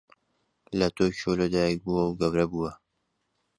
لە تۆکیۆ لەدایکبووە و گەورە بووە.